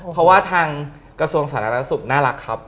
เพราะว่ากระทรวงสวรรคน่ารักครับ